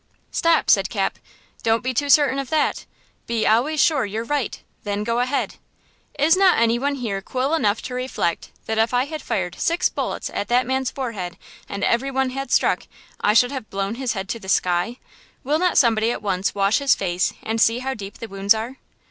"Stop," said Cap, "don't be too certain of that! 'Be always sure you're right–then go ahead!' Is not any one here cool enough to reflect that if I had fired six bullets at that man's forehead and every one had struck, I should have blown his head to the sky? Will not somebody at once wash his face and see how deep the wounds are?"